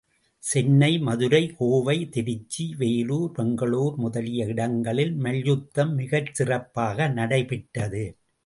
சென்னை, மதுரை, கோவை, திருச்சி, வேலூர், பெங்களுர் முதலிய இடங்களில் மல்யுத்தம் மிகச்சிறப்பாக நடைபெற்றது.